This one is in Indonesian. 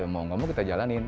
mau gak mau kita jalanin